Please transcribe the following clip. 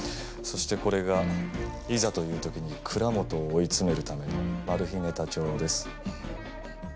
そしてこれがいざという時に蔵本を追い詰めるためのマル秘ネタ帳です。